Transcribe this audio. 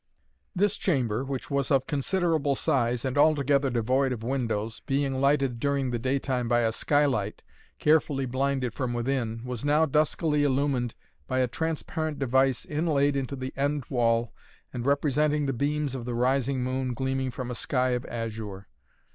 This chamber, which was of considerable size and altogether devoid of windows, being lighted during the daytime by a skylight, carefully blinded from within, was now duskily illumined by a transparent device inlaid into the end wall and representing the beams of the rising moon gleaming from a sky of azure.